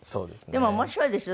でも面白いでしょ？